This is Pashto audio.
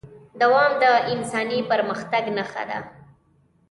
دوام د انساني پرمختګ نښه ده.